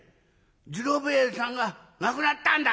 『次郎兵衛さんが亡くなったんだ』